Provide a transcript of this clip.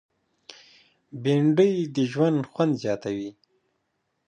بېنډۍ د ژوند خوند زیاتوي